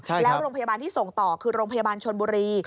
แล้วโรงพยาบาลที่ส่งต่อคือโรงพยาบาลชนบุรี